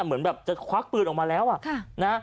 เหมือนแบบจะควักปืนออกมาแล้วอ่ะนะ